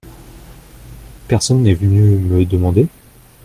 Personne n’est venu me demander ?…